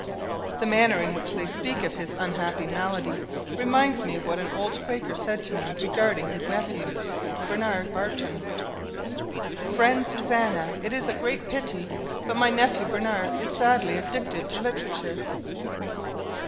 The manner in which they speak of his unhappy malady reminds me of what an old Quaker said to me regarding his nephew, Bernard Barton "Friend Susanna, it is a great pity, but my nephew Bernard is sadly addicted to literature."